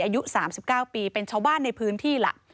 อายุ๓๙ปีเป็นชาวบ้านในพื้นที่ล่ะ